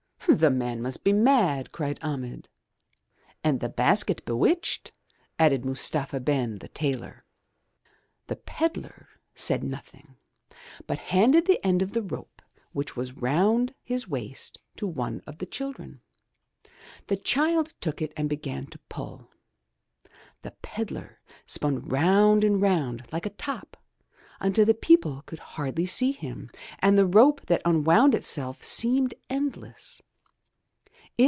"The man must be mad," cried Ahmed. "And the basket bewitched," added Mustapha Ben, the tailor. The pedlar said nothing, but handed the end of the rope which was round his waist to one of the children. The child took it and began to pull. The pedlar spun round and round like a top until the people could hardly see him, and the rope that unwound itself seemed endless.